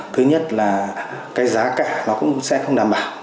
thứ nhất là cái giá cả nó cũng sẽ không đảm bảo